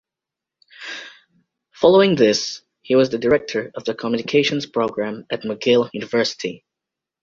Following this, he was the director of the communications program at Mcgill University.